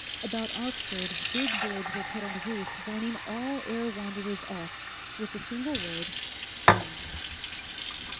About Oxford big boards were put on the roofs warning all air wanderers off with the single word, "Guns."